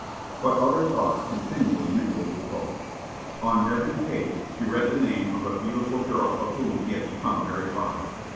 But other thoughts continually mingled with Coke. On every page he read the name of a beautiful girl of whom he had become very fond.